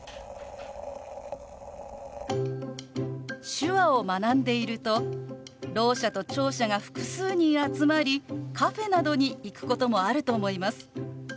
手話を学んでいるとろう者と聴者が複数人集まりカフェなどに行くこともあると思います。